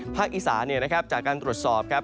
ภาคอีสาจากการตรวจสอบ